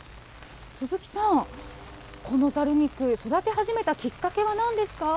鈴木さん、このざる菊、育て始めたきっかけはなんですか？